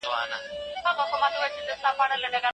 ایا د سترګو د رڼا ساتلو لپاره لږ موبایل کتل ګټور دي؟